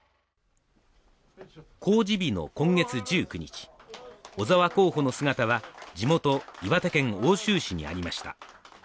公示日の今月１９日小沢候補の姿は地元岩手県奥州市にありました